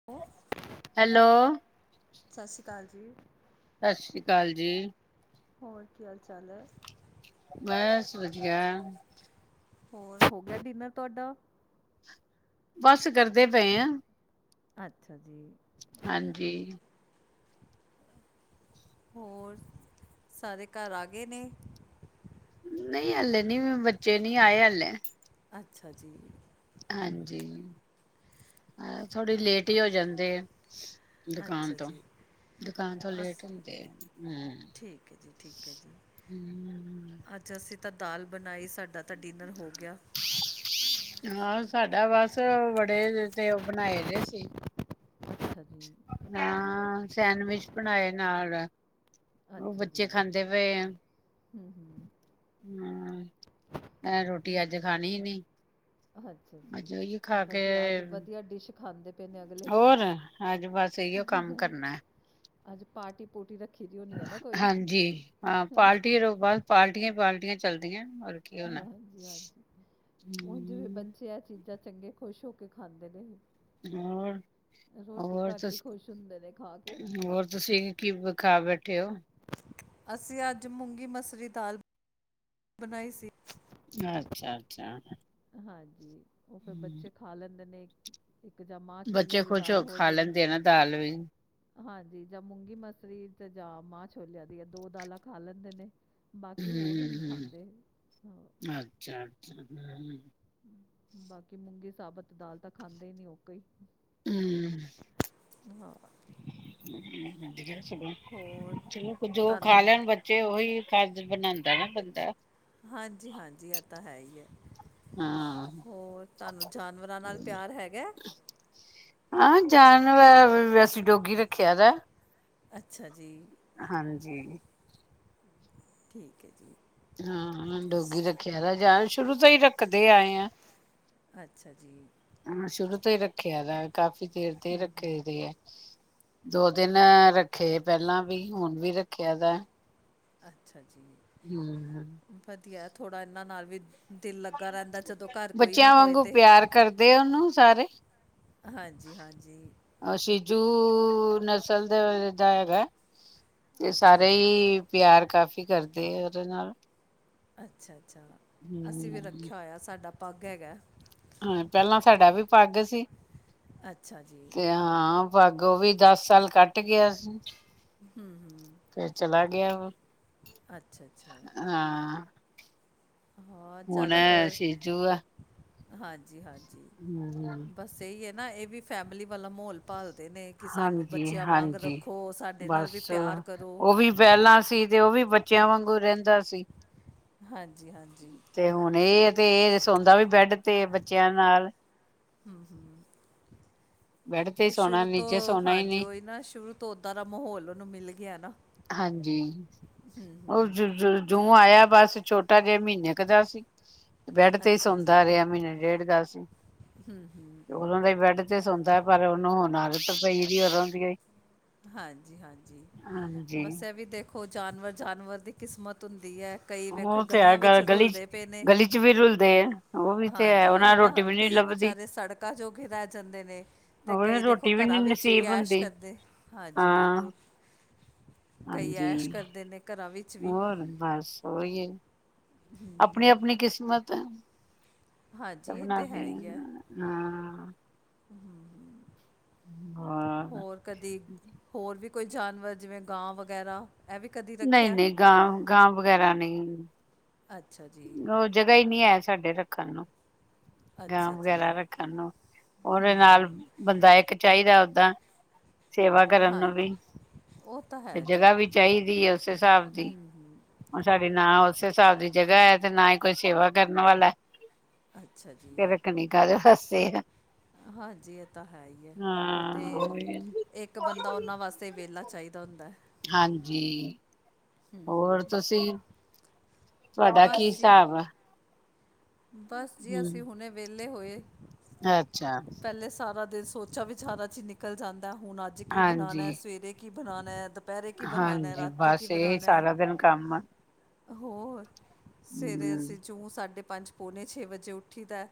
[unintelligible] Hello. ਸਤਿ ਸ਼੍ਰੀ ਅਕਾਲ ਜੀ। ਸਤਿ ਸ਼੍ਰੀ ਕਾਲ ਜੀ। ਹੋਰ ਕੀ ਹਾਲ ਚਾਲ ਹੈ? ਬਸ ਵਧੀਆ। ਹੋਰ ਹੋ ਗਿਆ ਡਿਨਰ ਤੁਹਾਡਾ? ਬਸ ਕਰਦੇ ਪਏ ਆ। ਅੱਛਾ ਜੀ। ਹਾਂਜੀ। ਹੋਰ ਸਾਰੇ ਘਰ ਆਗੇ ਨੇ? ਨਈ ਹਲੇੇ ਨੀ ਬੱਚੇ ਨੀ ਆਏ ਹਲੇੇ। ਅੱਛਾ ਜੀ। ਹਾਂਜੀ ਥੋੜੀ ਲੇਟ ਹੀ ਹੋ ਜਾਂਦੇ। ਅੱਛਾ ਦੁਕਾਨ ਤੋਂ ਜੀ ਦੁਕਾਨ ਤੋਂ ਅਸ ਲੇਟ ਹੁੰਦੇ ਆ ਹੂ, ਠੀਕ ਹੈ ਜੀ ਠੀਕ ਹੈ ਜੀ ਹੂ,,, ਅਸੀਂ ਤਾਂ ਦਾਲ ਬਣਾਈ ਸਾਡਾ ਤਾਂ ਡਿਨਰ ਹੋ ਗਿਆ। ਹਾਂ, ਸਾਡਾ ਬਸ ਬੜੇ ਤੇ ਉਹ ਬਣਾਏ ਰਹੇ ਸੀ। ਅੱਛਾ ਜੀ ਹਾਂ ਸੈਂਡਵਿਚ ਬਣਾਏ ਨਾਲ। ਉਹ ਅੱਛਾ ਬੱਚੇ ਜੀ ਖਾਂਦੇ ਪਏ ਆ। ਹੂ, ਮੈਂ ਰੋਟੀ ਅੱਜ ਖਾਣੀ ਹੀ ਨੀ। ਅੱਛਾ ਜੀ ਅੱਜ ਉਹੀ ਖਾ ਕੇ ਵਧੀਆ ਅੱਜ ਵਧੀਆ ਡਿਸ਼ ਖਾਂਦੇ। ਪਏ ਨੇ ਅਗਲੇ ਹੋਰ ਅੱਜ ਬਸ ਇਓ ਕੰਮ ਕਰਨਾ। ਅੱਜ ਪਾਰਟੀ ਪੂਟੀ ਰੱਖੀ। ਦੀ ਹੋਣੀ ਹੈ ਨਾ ਕੋਈ ਹਾਂਜੀ ਹਾਂ ਪਾਰਟੀ ਅੱਛਾ ਤੋਂ ਬਾਅਦ ਪਾਰਟੀਆਂ ਹੀ ਪਾਰਟੀਆਂ ਚੱਲਦੀਆਂ ਕੀ ਹੋਣਾ ਹਾਂ ਹਾਂਜੀ ਹਾਂਜੀ ਹੁਣ ਜਿਵੇਂ ਹੂੰ, ਬੱਚੇ ਆ ਚੀਜ਼ਾਂ। ਚੰਗੇ ਖੁਸ਼ ਹੋ ਕੇ ਖਾਂਦੇ ਹੋਰ ਰਹੇ ਰੋਟੀ ਹੋਰ ਘੱਟ ਹੀ ਤੁਸੀਂ ਖੁਸ਼ ਹੁੰਦੇ। ਨੇ ਖਾ ਕੇ ਹੋਰ ਤੁਸੀਂ ਕੀ ਵਿਖਾ ਬੈਠੇ ਹੋ। ਅਸੀਂ ਅੱਜ ਮੂੰਗੀ ਮਸਰੀ ਦਾਲ। ਬਣਾਈ ਸੀ। ਅੱਛਾ-ਅੱਛਾ। ਹਾਂਜੀ ਉਹ ਫਿਰ ਬੱਚੇ ਖਾ ਲੈਂਦੇ ਨੇ। ਇੱਕ ਜਾਂ ਮਾਂ ਬੱਚੇ ਛੋਲਿਆਂ ਦੀ ਖੁਸ਼ ਹੋ ਦਾਲ ਖਾ ਹੋਜੇ। ਲੈਂਦੇ ਨਾ ਦਾਲ ਵੀ ਹਾਂਜੀ ਜਾਂ ਮੂੰਗੀ ਮਸਰੀ ਤੇ ਜਾਂ ਮਾਂ ਛੋਲਿਆ ਦੀ ਆ ਦੋ ਦਾਲਾਂ ਖਾ ਲੈਂਦੇ ਨੇ। ਬਾਕੀ ਹੋਰ ਨਹੀਂ ਹਮ ਖਾਂਦੇ ਹਾਂ। ਅੱਛਾ। [unintelligible] ਬਾਕੀ ਮੂੰਗੀ ਸਾਬਤ ਦਾਲ ਤਾਂ ਖਾਂਦੇ ਹੀ ਨਹੀਂ ਉਹ ਕਈ। ਹਮ ਹਾਂ। ਹੋਰ [unintelligible] ਚਲੋ ਜੋ ਖਾ। ਤੁਹਾਨੂੰ ਬੱਚੇ ਉਹੀ ਕਾਜ ਬਣਾਉਂਦਾ ਨਾ ਬੰਦਾ। ਹਾਂਜੀ ਹਾਂਜੀ ਇਹ ਤਾਂ ਹੈ ਹੀ ਹੈ। ਹਾਂ ਹੋਰ ਤੁਹਾਨੂੰ ਜਾਨਵਰਾਂ ਨਾਲ ਪਿਆਰ ਹੈਗਾ। ਹਾਂ ਜਾਨਵਰ ਵੈਸੇ ਡੋਗੀ ਰੱਖਿਆ ਦਾ। ਅੱਛਾ ਜੀ, ਹਾਂਜੀ, ਠੀਕ ਹੈ ਜੀ। ਹਾਂ ਡੋਗੀ ਰੱਖਿਆ ਯਾਰ ਸ਼ੁਰੂ ਤੋਂ ਹੀ ਰੱਖਦੇ ਆਏ ਆ। ਅੱਛਾ। ਜੀ, ਸ਼ੁਰੂ ਤੋਂ ਹੀ ਰੱਖਿਆ ਦਾ ਕਾਫੀ ਦੇਰ ਦੇ ਰੱਖੇ ਦੇ ਹੈ। ਦੋ ਦਿਨ ਰੱਖੇ ਪਹਿਲਾਂ ਵੀ ਹੁਣ ਵੀ ਰੱਖਿਆ ਦਾ। ਅੱਛਾ ਜੀ, ਹੂੰ, ਵਧੀਆ, ਥੋੜ੍ਹਾ ਇਹਨਾਂ ਨਾਲ ਵੀ ਦਿਲ ਲੱਗ ਬੱਚਿਆਂ ਵਾਂਗੂ ਪਿਆਰ ਕਰਦੇ ਆ, ਉਹਨੂੰ ਸਾਰੇ। ਹਾਂਜੀ-ਹਾਂਜੀ, ਅ ਸ਼ਿਜੂ ਨਸਲ ਦੇ ਦਾ ਹੈਗਾ। ਤੇ ਅੱਛਾ ਸਾਰੇ ਜੀ ਹੀ ਪਿਆਰ ਕਾਫ਼ੀ ਕਰਦੇ ਆ, ਉਹਦੇ ਨਾਲ। ਅੱਛਾ-ਅੱਛਾ, ਅਸੀਂ ਵੀ ਹੂੰ। ਰੱਖਿਆ ਹੋਇਆ, ਸਾਡਾ ਪੱਗ ਹੈਗਾ। ਹਾਂ, ਪਹਿਲਾਂ ਸਾਡਾ ਵੀ ਪੱਗ ਸੀ। ਅੱਛਾ ਜੀ। ਤੇ ਹਾਂ, ਪੱਗ ਉਹ ਵੀ ਦਸ ਸਾਲ ਕੱਟ ਗਿਆ ਸੀ। ਫੇਰ ਚਲਾ ਗਿਆ ਉਹ, ਅੱਛਾ ਅੱਛਾ ਹਾਂ। ਹਾਂ ਹੁਣ ਜ਼ਾਦਾਤਰ, ਸੀਜੂ ਆ ਹਾਂਜੀ- ਹਾਂਜੀ ਹਮ ਬਸ ਸਹੀ ਏ ਨਾ, ਇਹ ਵੀ ਫੈਮਿਲੀ ਵਾਲਾ ਮਾਹੌਲ। ਭਾਲਦੇ ਨੇ ਕਿ ਸਾਨੂੰ ਹਾਂਜੀ ਬੱਚਿਆਂ ਵਾਂਗ ਹਾਂਜੀ ਰੱਖੋ, ਸਾਡੇ ਨਾਲ ਵੀ ਬਸ ਪਿਆਰ ਕਰੋ। ਉਹ ਵੀ ਪਹਿਲਾਂ ਸੀ ਤੇ ਉਹ ਵੀ ਬੱਚਿਆਂ ਵਾਂਗੂ ਰਹਿੰਦਾ ਸੀ। ਹਾਂਜੀ- ਹਾਂਜੀ। ਤੇ ਹੁਣ ਇਹ ਏ, ਤੇ ਇਹ ਸੌਂਦਾ ਵੀ ਬੈਡ ਤੇ ਬੱਚਿਆਂ ਨਾਲ। ਹੂੰ-ਹੂੰ, ਬੈਡ ਤੇ ਹੀ ਉਹ ਸੋਣਾ ਸ਼ੁਰੂ ਨੀਚੇ ਤੋਂ ਸੋਣਾ ਹੀ ਹਾਂਜੀ, ਨਹੀਂ ਉਹੀ ਨਾ ਸ਼ੁਰੂ ਤੋਂ ਓਦਾਂ ਦਾ ਮਹੌਲ, ਉਹਨੂੰ ਮਿਲ ਗਿਆ ਨਾ। ਹਾਂਜੀ, ਹੂੰ ਉਹ ਹੂੰ ਜ ਜੂੰ ਆਇਆ, ਬਸ ਛੋਟਾ ਜਿਹਾ ਮਹੀਨੇ ਮਹੀਨੇ ਕ ਦਾ ਸੀ, ਤੇ ਬੈਡ ਤੇ ਹੀ ਅੱਛਾ ਜੀ ਸੌਦਾ ਰਿਹਾ, ਮਹੀਨੇ ਡੇਢ ਦਾ ਸੀ। ਉਹਨਾਂ ਦੇ ਬੈਡ ਤੇ ਸੌਂਦਾ, ਪਰ ਉਹਨੂੰ ਹੁਣ ਆਦਤ ਪਈ ਦੀ ਐ ਉਦੋਂ ਦੀ ਈ। ਹਾਂਜੀ- ਹਾਂਜੀ, ਹਾਂਜੀ ਬਸ ਇਹ ਵੀ ਦੇਖੋ, ਜਾਨਵਰ- ਜਾਨਵਰ ਦੀ ਕਿਸਮਤ ਹੁੰਦੀ ਐ। ਕਈ ਵੇਖੋ ਗਲੀਆਂ ਵਿੱਚ ਰੁਲਦੇ ਪਏ ਨੇ। ਜਿਵੇਂ ਰੁਲਦੇ ਐ। ਹਾਂਜੀ ਉਹੀ ਨਾ, ਕਈ ਵਿਚਾਰੇ ਸੜਕਾਂ ਜੋਗੇ ਰਹਿ ਜਾਂਦੇ ਨੇ। ਤੇ ਉਹ ਕਈ ਦੇਖੋ ਰੋਟੀ ਵੀ ਨੀ ਘਰਾਂ ਵਿੱਚ ਵੀ ਨਸੀਬ ਐਸ਼ ਹੁੰਦੀ ਕਰਦੇ, ਹਾਂਜੀ ਹਾਂ ਬਿਲਕੁਲ। ਕਈ ਹਾਂਜੀ, ਐਸ਼ ਕਰਦੇ ਨੇ ਘਰਾਂ ਵਿੱਚ ਵੀ ਹੋਰ ਬਸ ਓਹੀ ਏ। ਆਪਣੀ- ਆਪਣੀ ਕਿਸਮਤ ਹਾਂਜੀ ਇਹ ਸਭਨਾਂ ਤੇ ਦੀ ਹੈ ਬਣਾ, ਹਾਂ। ਹੂੰ- ਹੂੰ, ਹੋਰ ਕਦੀ ਹੋਰ ਵੀ ਕੋਈ ਜਾਨਵਰ ਜਿਵੇਂ ਗਾਂ ਵਗੈਰਾ ਇਹ ਵੀ ਕਦੀ ਨਹੀਂ- ਰੱਖਿਆ ਨਹੀਂ, ਗਾਂ-ਗਾਂ ਵਗੈਰਾ ਨਹੀਂ ਅੱਛਾ ਜੀ, ਹੋਰ ਜਗ੍ਹਾ ਹੀ ਨਹੀਂ ਐ, ਸਾਡੇ ਰੱਖਣ ਨੂੰ। ਗਾਂ ਅੱਛਾ ਜੀ ਵਗੈਰਾ ਰੱਖਣ ਨੂੰ, ਉਹਦੇ ਨਾਲ ਬੰਦਾ ਇੱਕ ਚਾਹੀਦਾ ਓਦਾਂ। ਸੇਵਾ ਕਰਨ ਨੂੰ ਵੀ, ਹਾਂਜੀ ਉਹ ਤਾਂ ਤੇ ਹੈ ਜੀ ਜਗ੍ਹਾ ਵੀ ਚਾਹੀਦੀ ਐ ਉਸ ਹਿਸਾਬ ਦੀ। ਹੁਣ ਸਾਡੀ ਨਾ ਉਸੇ ਹਿਸਾਬ ਦੀ ਜਗ੍ਹਾ ਹੈ, ਤੇ ਨਾ ਹੀ ਕੋਈ ਸੇਵਾ ਕਰਨ ਵਾਲਾ। ਅੱਛਾ ਜੀ, ਫੇਰ ਰੱਖਣੀ ਕਾਹਦੇ ਵਸਤੇ ਐ। ਹਾਂਜੀ ਇਹ ਤਾਂ ਹੈ ਹੀ ਹੈ, ਉਹ ਹਾਂ ਤੇ ਉਹੀ ਆ ਇੱਕ ਬੰਦਾ ਉਹਨਾਂ ਵਾਸਤੇ ਤੇ ਵਿਹਲਾ ਚਾਹੀਦਾ ਹੁੰਦਾ। ਹਾਂਜੀ, ਹੂੰ-ਹੂੰ। ਹੋਰ ਤੁਸੀਂ ਤੁਹਾਡਾ ਕੀ ਹਿਸਾਬ ਆ। ਬਸ ਜੀ ਅਸੀਂ ਹੂੰ ਹੁਣੇ ਵਿਹਲੇ ਹੋਏ, ਅੱਛਾ ਪਹਿਲੇ ਸਾਰਾ ਦਿਨ ਸੋਚ ਉੱਚਾ ਵਿਚਾਰਾ ਚ ਹੀ ਨਿਕਲ ਜਾਂਦਾ, ਹੁਣ ਅੱਜ ਕੀ ਹਾਂਜੀ ਬਣਾਣਾ, ਸਵੇਰੇ ਕੀ ਬਣਾਣਾ, ਦ ਦੁਪਹਿਰੇ ਕੀ ਬਣਾਣਾ, ਹਾਂਜੀ ਰਾਤੀ ਕੀ ਬਸ ਇਹੀ ਬਣਾਣਾ। ਸਾਰਾ ਦਿਨ ਕੰਮ ਆ ਹੋਰ, ਸਵੇਰੇ ਅਸੀਂ ਹੂੰ ਜੂੰ ਸਾਢੇ ਪੰਜ, ਪਉਣੇ ਛੇ ਵਜੇ ਉੱਠੀ ਦਾ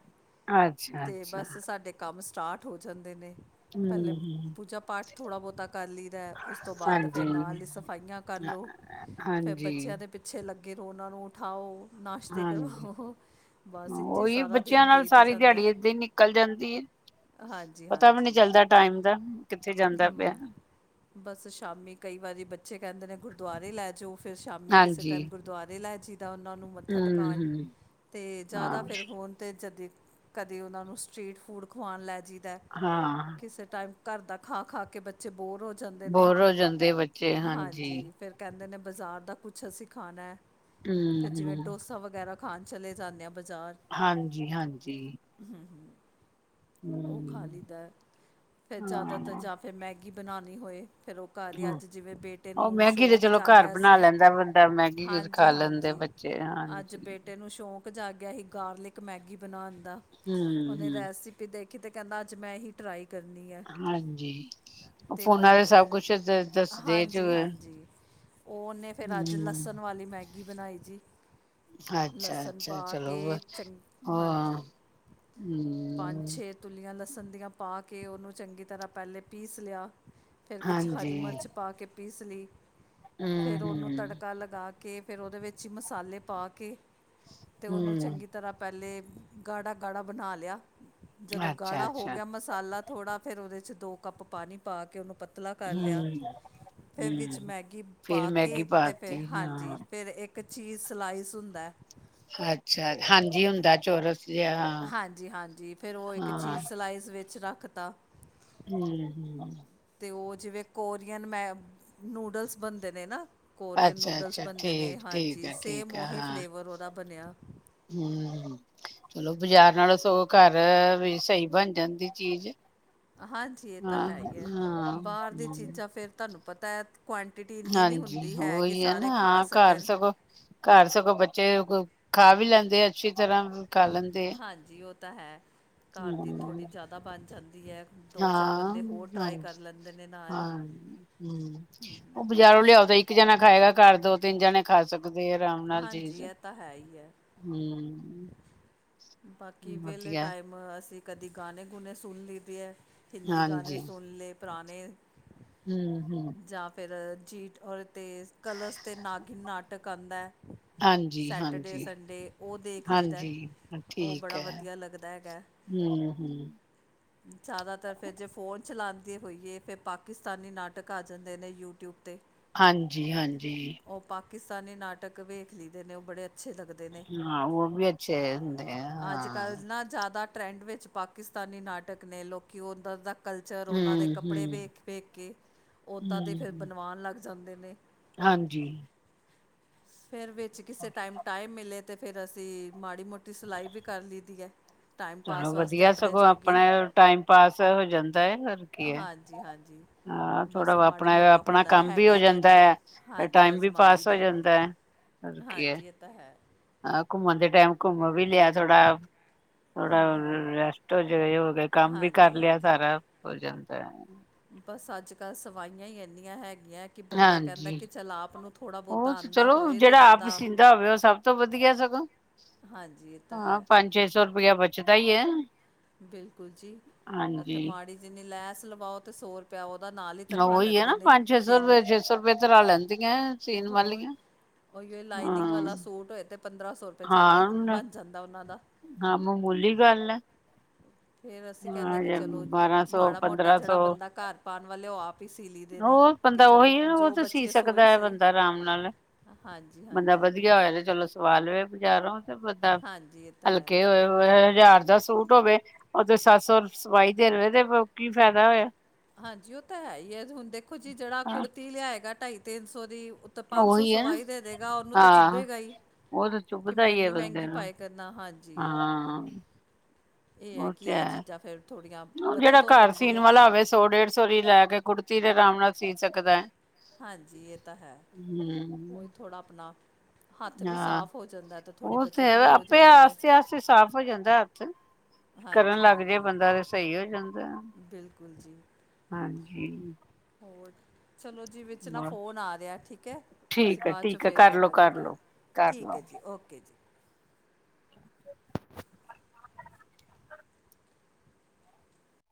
ਅੱਛਾ ਤੇ ਅੱਛਾ ਬਸ ਸਾਡੇ ਕੰਮ ਸਟਾਟ ਹੋ ਜਾਂਦੇ ਨੇ। ਪਹਿਲੇ ਹੂੰ ਪੂਜਾ ਪਾਠ ਥੋੜ੍ਹਾ ਬਹੁਤਾ ਕਰ ਲਈਦਾ ਉਸ ਤੋਂ ਬਾਅਦ ਫਿਰ ਨਾਲ ਹਾਂਜੀ ਹੀ ਸਫਾਈਆਂ ਕਰ ਲਉ। ਹਾਂਜੀ ਅੱਛੇ ਲੱਗੇ ਰਹ ਉਹਨਾਂ ਨੂੰ ਉਠਾਓ ਨਾਸ਼ਤੇ ਹਾਂਜੀ ਕਰਵਾਓ। ਬਸ ਇੰਝੇ ਉਹੀ ਸਾਰਾ ਬੱਚਿਆਂ ਦਿਨ ਨਾਲ ਬੀਤ ਸਾਰੀ ਜਾਂਦਾ ਦਿਹਾੜੀ ਏਦਾਂ ਹੀ ਨਿਕਲ ਜਾਂਦੀ ਹੈ ਹਾਂਜੀ ਪਤਾ ਵੀ ਨਹੀਂ ਹਾਂਜੀ ਚੱਲਦਾ ਟਾਈਮ ਦਾ ਕਿੱਥੇ ਜਾਂਦਾ ਹਮ ਪਿਆ ਬਸ ਸ਼ਾਮੀ ਕਈ ਵਾਰੀ ਬੱਚੇ ਕਹਿੰਦੇ ਨੇ ਗੁਰਦੁਆਰੇ ਲੈ ਜਾਓ। ਫਿਰ ਸ਼ਾਮੀ ਕਿਸੇ ਹਾਂਜੀ ਟਾਈਮ ਗੁਰਦੁਆਰੇ ਲੈ ਜਿਦਾ ਉਹਨਾਂ ਨੂੰ ਮੱਥਾ ਟਿਕਉਣ ਹੂੰ-ਹੂੰ, ਅਤੇ ਜ਼ਿਆਦਾ ਫਿਰ ਹੋਣ ਤਾਂਤੇ ਜਦ ਕਦੇ ਉਹਨਾਂ ਨੂੰ ਸਟਰੀਟ ਫੂਡ ਖਵਾਉਣ ਲੈ ਜਈਦਾ। ਹਾਂ ਕਿਸੇ ਟਾਈਮ ਘਰ ਦਾ ਖਾ ਖਾ ਕੇ ਬੱਚੇ ਬੋਰ ਹੋ ਜਾਂਦੇ ਨੇ ਬੋਰ ਹੋ ਜਾਂਦੇ ਬੱਚੇ ਹਾਂਜੀ। ਫਿਰ ਕਹਿੰਦੇ ਨੇ ਬਾਜ਼ਾਰ ਦਾ ਕੁੱਛ ਅਸੀਂ ਖਾਣਾ ਫਿਰ ਜਿਵੇਂ ਹੂੰ-ਹੂੰ। ਡੋਸਾ ਵਗੈਰਾ ਖਾਣ ਚਲੇ ਜਾਂਦੇ ਹਾਂ ਬਜ਼ਾਰ ਹਾਂਜੀ ਹਾਂਜੀ ਹਮ ਹਮ ਉਹ ਖਾ ਲਈਦਾ ਫਿਰ ਜ਼ਿਆਦਾਤਰ ਹਾਂ ਜਾਂ ਫਿਰ ਮੈਗੀ ਬਣਾਉਣੀ ਹੋਏ ਫਿਰ ਉਹ ਘਰ ਦੀ ਹੂੰ। ਅੱਜ ਜਿਵੇਂ ਬੇਟੇ ਉਹ ਨੂੰ ਮੈਗੀ ਤੇ ਸ਼ੌਕ ਚਲੋ ਘਰ ਜਾਗਿਆ ਬਣਾ ਸੀ ਲੈਂਦਾ ਬੰਦਾ ਮੈਗੀ ਖਾ ਹਾਂਜੀ ਲੈਂਦੇ ਹਾਂਜੀ ਬੱਚੇ ਅੱਜ ਹਾਂਜੀ। ਬੇਟੇ ਨੂੰ ਸ਼ੌਕ ਸ਼ੋਂਕ ਜਾਗਿਆ ਸੀ ਗਾਰਲਿਕ ਮੈਗੀ ਬਣਾਉਣ ਦਾ ਉਹਨੇ ਹੂੰ-ਹੂੰ। ਰੈਸਿਪੀ ਦੇਖੀ ਤੇ ਕਹਿੰਦਾ ਅੱਜ ਮੈਂ ਹੀ ਟਰਾਈ ਕਰਨੀ ਹੈ। ਹਾਂਜੀ, ਉਹ ਤੇ ਫੋਨਾਂ ਉਹਨੇ ਫਿਰ ਸਭ ਕੁਛ ਦੱਸਦੇ ਚ ਹਾਂਜੀ ਹੂੰ। ਹਾਂਜੀ ਉਹਨੇ ਫਿਰ ਅੱਜ ਲਸਣ ਵਾਲੀ ਮੈਗੀ ਬਣਾਈ ਜੀ ਅੱਛਾ ਲਸਣ ਅੱਛਾ ਪਾ ਚਲੋ ਕੇ ਚੰ ਹਮ ਹਾਂਜੀ ਪੰਜ ਛੇ ਤੁਲੀਆਂ ਲਸਣ ਦੀਆਂ ਪਾ ਕੇ ਉਹਨੂੰ ਚੰਗੀ ਤਰ੍ਹਾਂ ਪਹਿਲੇ ਪੀਸ ਲਿਆ ਫਿਰ ਵਿੱਚ ਹਾਂਜੀ, ਹਰੀ ਮਿਰਚ ਪਾ ਕੇ ਪੀਸ ਲਈ ਫਿਰ ਉਹਨੂੰ ਹੂੰ-ਹੂੰ, ਤੜਕਾ ਲਗਾ ਲਗਾਕੇ ਫਿਰ ਉਹਦੇ ਵਿੱਚ ਹੀ ਮਸਾਲੇ ਪਾ ਕੇ ਅਤੇ ਉਹਨੂੰ ਹੂੰ ਚੰਗੀ ਤਰ੍ਹਾਂ ਪਹਿਲੇ ਗਾੜਾ ਗਾੜਾ ਬਣਾ ਲਿਆ ਜਦੋਂ ਗਾੜਾ ਹੋ ਅੱਛਾ-ਅੱਛਾ ਗਿਆ ਮਸਾਲਾ ਮਸਾਲਾ ਥੋੜ੍ਹਾ ਫਿਰ ਉਹਦੇ 'ਚ ਦੋ ਕੱਪ ਪਾਣੀ ਪਾ ਕੇ ਉਹਨੂੰ ਪਤਲਾ ਕਰ ਲਿਆ। ਹੂੰ। ਫਿਰ ਵਿੱਚ ਹੂੰ, ਮੈਗੀ ਫਿਰ ਪਾ ਮੈਗੀ ਕੇ ਤੇ ਪਾਤੀ ਫਿਰ ਹਾਂਜੀ ਹਾਂ। ਫਿਰ ਇੱਕ ਇੱਕ ਚੀਜ਼ ਸਲਾਈਸ ਹੁੰਦਾ। ਅੱਛਾ ਹਾਂਜੀ ਹੁੰਦਾ ਚੋਰਸ ਜਿਹਾ ਹਾਂ। ਹਾਂਜੀ ਹਾਂਜੀ ਫਿਰ ਉਹ ਇੱਕ ਹਾਂ, ਚੀਜ਼ ਸਲਾਈਸ ਵਿੱਚ ਰੱਖ ਤਾ ਹਮ ਹਮ ਅਤੇ ਉਹ ਜਿਵੇਂ ਕੋਰੀਅਨ ਮੈ ਨੂਡਲਸ ਬਣਦੇ ਨੇ ਨਾ ਕੋਰੀਅਨ ਨੂਡਲਸ ਅੱਛਾ-ਅੱਛਾ, ਬਣਦੇ ਨੇ ਠੀਕ-ਠੀਕ ਹਾਂਜੀ ਐ, ਸੇਮ ਉਹੀ ਫਲੇਵਰ ਉਹਦਾ ਬਣਿਆ। ਹਮ ਚਲੋ ਬਾਜ਼ਾਰ ਨਾਲੋਂ ਸਗੋਂ ਘਰ ਵੀ ਸਹੀ ਬਣ ਜਾਂਦੀ ਚੀਜ਼ ਹਾਂਜੀ ਇਹ ਤਾਂ ਹੈ ਹੀ ਹੈ ਹਾਂ-ਹਾਂ, ਬਾਹਰ ਦੀ ਚੀਜ਼ਾਂ ਫਿਰ ਤੁਹਾਨੂੰ ਪਤਾ ਹੈ। ਕੁਆਂਟਿਟੀ ਇੰਨੀ ਨਹੀਂ ਹਾਂਜੀ ਹੁੰਦੀ ਹੈ ਕਿ ਉਹੀ ਐ ਸਾਰੇ ਨਾ ਖਾ ਹਾਂ ਸਕਣ [unintelligible] ਘਰ ਸਗੋਂ ਬੱਚੇ ਖਾ ਵੀ ਲੈਂਦੇ ਆ ਅੱਛੀ ਤਰਾਂ ਖਾ ਲੈਂਦੇ ਹਾਂਜੀ ਉਹ ਹੈ ਘਰ ਦੀ ਥੋੜ੍ਹੀ ਹਮ ਜ਼ਿਆਦਾ ਤਾਂ ਬਣ ਜਾਂਦੀ ਹੈ ਦੋ ਚਾਰ ਬੰਦੇ ਹੋਰ ਟਰਾਈ ਹਾਂਜੀ। ਕਰ ਲੈਂਦੇ ਨੇ ਨਾਲ ਹਾਂ ਹਮ ਉਹ ਬਾਜ਼ਾਰੋਂ ਲਿਆਓ ਤਾਂ ਇੱਕ ਜਾਣਾ ਖਾਏਗਾ ਘਰ ਦੋ ਤਿੰਨ ਜਣੇ ਖਾ ਸਕਦੇ। ਦੇ ਆਰਾਮ ਨਾਲ ਹਾਂਜੀ ਜੀਜ਼ ਇਹ ਤਾਂ ਹੈ ਹੀ ਹੈ ਹਮ ਬਾਕੀ ਵਿਹਲੇ ਵਧੀਆ ਟਾਈਮ ਅਸੀਂ ਕਦੀ ਗਾਣੇ ਗੂਣੇ ਸੁਣ ਲਈਦੇ ਹੈ। ਹਿੰਦੀ ਗਾਣੇ ਹਾਂਜੀ ਸੁਣ ਲਏ ਪੁਰਾਣੇ ਹਮ ਹਮ ਜਾਂ ਫਿਰ ਜੀਟ ਔਰ ਤੇਜ਼ ਕਲਰਸ ਤੇ ਨਾਗਿਨ ਨਾਟਕ ਆਉਂਦਾ ਹਾਂਜੀ ਸੈਟਰਡੇ ਹਾਂਜੀ ਸੰਡੇ ਉਹ ਦੇਖ ਵੇਖ ਲਈਦਾ ਹਾਂਜੀ ਉਹ ਠੀਕ ਬੜਾ ਹੈ ਵਧੀਆ ਲੱਗਦਾ ਹੈਗਾ। ਹਮ ਹਮ ਜ਼ਿਆਦਾਤਰ ਫਿਰ ਜੇ ਫੋਨ ਚਲਾਉਂਦੇ ਹੋਈਏ ਫਿਰ ਪਾਕਿਸਤਾਨੀ ਨਾਟਕ ਆ ਜਾਂਦੇ ਨੇ ਯੂਟਿਊਬ 'ਤੇ ਹਾਂਜੀ ਹਾਂਜੀ। ਉਹ ਪਾਕਿਸਤਾਨੀ ਨਾਟਕ ਵੇਖ ਲਈਦੇ ਨੇ ਉਹ ਬੜੇ ਅੱਛੇ ਲੱਗਦੇ ਨੇ। ਹਾਂ ਉਹ ਵ। ੱੇਦੇ [unintelligible] ਅੱਜ ਕੱਲ੍ਹ ਨਾ ਜ਼ਿਆਦਾ ਟਰੈਂਡ ਵਿੱਚ ਪਾਕਿਸਤਾਨੀ ਨਾਟਕ ਨੇ ਲੋਕ ਉਧੱਰ ਦਾ,, ਕਲਚਰ ਉਹਨਾਂ ਦੇ ਹਮ ਕੱਪੜੇ ਹਮ ਵੇਖ ਵੇਖ ਕੇ ਉਦਾਂ ਦੇ ਫਿਰ ਹਮ ਬਣਵਾਉਣ ਲੱਗ ਜਾਂਦੇ ਨੇ। ਹਾਂਜੀ। ਫਿਰ ਵਿੱਚ ਕਿਸੇ ਟਾਈਮ ਟਾਈਮ ਮਿਲੇ ਤੇ ਫਿਰ ਅਸੀਂ ਮਾੜੀ ਮੋਟੀ ਸਿਲਾਈ ਵੀ ਕਰ ਲਈ ਦੀ ਹੈ। ਟਾਈਮ ਚਲੋ ਪਾਸ ਵਾਸਤੇ ਵਧੀਆ ਆਪਣੇ ਸਗੋਂ ਆਪਣਾ ਜੋਗੀ ਟਾਈਮ ਪਾਸ ਹੋ ਜਾਂਦਾ ਹੈ ਹੋਰ ਕੀ ਹੈ। ਹਾਂਜੀ ਹਾਂਜੀ ਹਾਂ ਬਸ ਥੋੜਾ ਉਹ ਮਾੜਾ ਆਪਣਾ ਮੋਟਾ ਆਪਣਾ ਹੁਨਰ ਕੰਮ ਵੀ ਹੋ ਹੈਗਾ ਤੇ ਜਾਂਦਾ ਉਹਨੂੰ ਅਪ ਹੈ ਤੇ ਹਾਂਜੀ ਟਾਈਮ ਵੀ ਅਜ਼ਮਾ ਲਈ ਪਾਸ ਹੋ ਜਾਂਦਾ ਹੈ। ਆ ਕੀ। ਅ ਤਾਂ ਹੈ। ਹਾਂ ਘੁੰਮਣ ਦੇ ਟਾਈਮ ਘੁੰਮ ਵੀ ਲਿਆ ਥੋੜਾ ਥੋੜਾ ਰੈਸਟ ਜ ਹੋ ਗ। ਕੰਮ ਵੀ ਕਰ ਹਾਂਜੀ ਲਿਆ ਹਾਂਜੀ ਸਾਰਾ ਭੋਜਨ ਦਾ। ਬਸ ਅੱਜ ਕੱਲ੍ਹ ਸਵਾਈਆਂ ਹੀ ਇੰਨੀਆਂ ਹੈਗੀਆਂ। ਕਿ ਬੰਦਾ ਕਹਿੰਦਾ ਹਾਂਜੀ ਕਿ ਚੱਲ ਆਪ ਨੂੰ ਥੋੜ੍ਹਾ ਉਹ ਬਹੁਤਾ ਆਉਂਦਾ ਚਲੋ ਹੋਏ ਤੇ ਜਿਹੜਾ ਆਪ ਬੰਦਾ ਸੀਂਦਾ ਹੋਵੇ ਉਹ ਸਭ ਤੋਂ ਵਧੀਆ ਸਗੋਂ ਹਾਂਜੀ ਇਹ ਤਾਂ ਹਾਂ ਹੈ ਪੰਜ ਛੇ ਸੌ ਰੁਪਇਆ ਬਚਦਾ ਹੀਈ ਹੈ। ਬਿਲਕੁਲ ਜੀ ਇੱਥੇ ਹਾਂਜੀ ਮਾੜੀ ਜਿੰਨੀ ਲੈਸ ਲਵਾਓ ਤਾਂ ਸੌ ਰੁਪ ਪਿਉ ਉਹਦਾ ਨਾਲ ਹੀ ਕਰਵਾ ਉਹੀ ਹੈ ਲੈਂਦੇ ਨਾ ਨੇ ਪੰਜ ਛੇ ਸੌ ਟੇਲਰ ਰੁਪਏ ਛੇ ਸੌ ਰੁਪਏ ਤੇ ਲਾ ਲੈਂਦੀਆਂ ਸੀਨ ਹੋਰ ਵਾਲੀਆਂ ਉਹੀ ਲਾਈਨਿੰਗ ਹਾਂ ਵਾਲਾ ਸੂਟ ਹੋਏ ਤੇ ਪੰਦਰਾਂ ਸੌ ਰੁਪਏ ਚੱਟ ਹਾਂ ਬਣ ਜਾਂਦਾ ਉਹਨਾਂ ਦਾ। ਹਾਂ ਮਾਮੂਲੀ ਗੱਲ ਹੈ ਫੇਰ ਅਸੀਂ ਕਹਿੰਦੇ ਹਾਂ ਕਿ ਚਲੋ ਬਾਰਾਂ ਸੌ ਮਾੜਾ ਮੋਟਾ ਪੰਦਰਾਂ ਸੌ ਜਿਹੜਾ ਬੰਦਾ ਘਰ ਪਾਉਣ ਵਾਲੇ ਉਹ ਆਪ ਹੀ ਸੀ ਲਈ ਦੇ ਨੇ। ਉਹ ਕਿ ਬੰਦਾ ਚਲੋ ਉਹੀ ਨਾ ਉਹ ਜੋ ਤਾਂ ਸੀ ਬਚੇ ਸੋ ਸਕਦਾ ਹੀ ਹੈ ਸਹੀ ਬੰਦਾ ਆਰਾਮ ਨਾਲ ਹਾਂਜੀ ਬੰਦਾ ਹਾਂਜੀ ਵਧੀਆ ਹੋਇਆ ਤੇ ਚਲੋ। ਸਵਾ ਲਵੇ ਬਜ਼ਾਰੋਂ ਤੇ ਬੰਦਾ ਹਾਂਜੀ ਇਹ ਤਾਂ ਹੈ ਹਲਕੇ ਹੋਏ ਹਜ਼ਾਰ ਦਾ ਸੂਟ ਹੋਵੇ ਉਹ ਤੇ ਸੱਤ ਸੌ ਸਵਾਈ ਦੇਣਵੇ ਤੇ ਕੀ ਫਾਇਦਾ ਹੋਇਆ। ਹਾਂਜੀ ਉਹ ਤਾਂ ਹੈ ਹੀ ਹੈ ਹੁਣ ਦੇਖੋ ਜੀ ਜਿਹੜਾ ਹਾਂ ਕੁੜਤੀ ਲਿਆਏਗਾ ਢਾਈ ਤਿੰਨ ਸੌ ਦੀ ਤਾਂ ਪੰਜ ਸੌ ਉਹੀ ਹੈ ਨਾ ਸਵਾਈ ਦੇ ਦੇਗਾ ਉਹਨੂੰ ਤਾਂ ਹਾਂ ਚੁੱਭੇਗਾ ਹੀ। ਉਹ ਤਾਂ ਕਿ ਚੁੱਭਦਾ ਮੈਂ ਹੀ ਹੈ ਇੰਨੀ ਬੰਦੇ ਮਹਿੰਗੀ ਨੂੰ ਪਾਏ ਕਰਨਾ ਹਾਂਜੀ। ਹਾਂ ਇਹ ਉਹ ਕਿ ਤੇ ਇਹ ਹੈ ਚੀਜ਼ਾਂ ਫਿਰ ਥੋੜ੍ਹੀਆਂ ਉਹ ਜਿਹੜਾ ਬੱਚਤ ਹੋ ਘਰ ਜਾਂਦੀ ਸੀਣ ਹੈ ਵਾਲਾ ਹੋਵੇ ਸੌ ਡੇਢ ਸੌ ਵੀ ਲੈ ਕੁੜਤੀ ਦੇ ਆਰਾਮ ਨਾਲ ਸੀ ਸਕਦਾ ਹੈ। ਹਾਂਜੀ ਇਹ ਤਾਂ ਹੈ ਉਹੀ ਹਮ ਥੋੜ੍ਹਾ ਆਪਣਾ ਹੱਥ ਵੀ ਹਾਂ ਸਾਫ ਹੋ ਜਾਂਦਾ ਹੈ ਤੇ ਥੋੜ੍ਹੀ ਬੱਚਤ ਵੀ ਹੋ ਜਾਂਦੀ ਹੈ। ਸਾਫ ਹੋ ਜਾਂਦਾ ਹੱਥ ਕਰਨ ਹਾਂਜੀ ਲੱਗ ਜਏ ਹਾਂਜੀ ਬੰਦਾ ਤੇ ਸਹੀ ਹੋ ਜਾਂਦਾ। ਬਿਲਕੁਲ ਜੀ। ਹਾਂਜੀ। ਹੋਰ। ਚਲੋ ਜੀ ਵਿੱਚ ਨਾ ਹੋਰ ਫ਼ੋਨ ਆ ਰਿਹਾ ਠੀਕ ਹੈ ਅਸੀਂ ਠੀਕ ਹੈ ਬਾਅਦ 'ਚ ਠੀਕ ਹੈ ਫਿਰ ਕਰਲੋ ਕਰਾਂਗੇ ਗੱਲ। ਕਰਲੋ ਠੀਕ ਹੈ ਕਰਲੋ। ਜੀ ਓਕੇ ਜੀ।